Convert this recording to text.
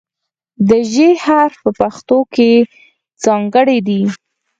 د "ژ" حرف په پښتو کې ځانګړی دی.